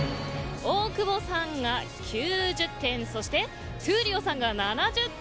大久保さんが９０点そして闘莉王さんが７０点。